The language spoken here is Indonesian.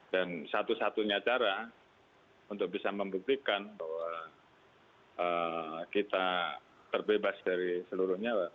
dan satu satunya cara untuk bisa membuktikan bahwa kita terbebas dari seluruhnya